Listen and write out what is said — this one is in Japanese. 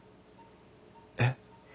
えっ？